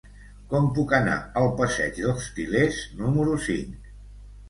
Com puc anar al passeig dels Til·lers número cinc?